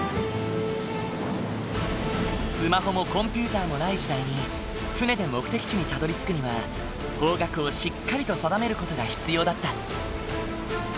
スマホもコンピューターもない時代に船で目的地にたどりつくには方角をしっかりと定める事が必要だった。